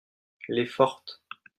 les fortes.